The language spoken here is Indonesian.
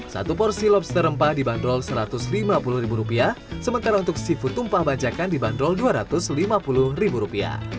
satu porsi lobster rempah dibanderol rp satu ratus lima puluh sementara untuk seafood tumpah banjakan dibanderol rp dua ratus lima puluh